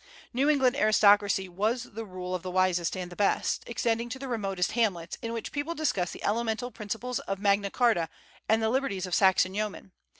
New England aristocracy was the rule of the wisest and the best, extending to the remotest hamlets, in which the people discussed the elemental principles of Magna Charta and the liberties of Saxon yeomen.